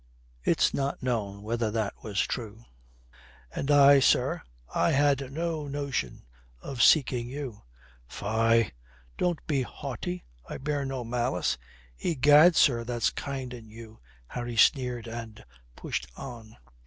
(It's not known whether that was true.) "And I, sir I had no notion of seeking you." "Fie, don't be haughty. I bear no malice." "Egad, sir, that's kind in you," Harry sneered and pushed on.